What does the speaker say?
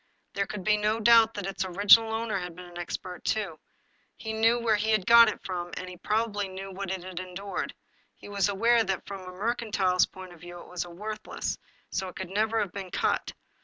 There could be no doubt that its original owner had been an expert too. He knew where he got it from, and he probably knew what it had endured. He was aware that, from a mercantile point of view, it was worthless ; it could never have been cut.